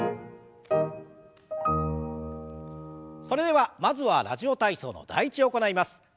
それではまずは「ラジオ体操」の「第１」を行います。